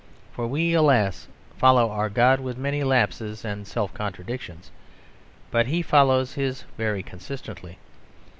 For we, alas, follow our God with many relapses and self contradictions, but he follows his very consistently.